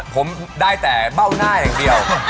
ผมได้แต่เบ้าหน้าอย่างเดียว